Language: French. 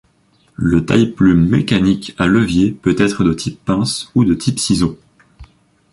Le taille-plume mécanique à levier peut être de type pince ou de type ciseau.